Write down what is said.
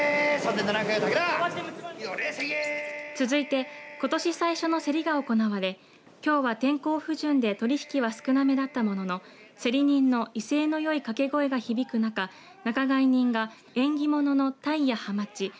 続いてことし最初の競りが行われきょうは天候不順で取り引きは少なめだったものの競り人の威勢のいい掛け声が響く中仲買人が縁起物のタイやハマチ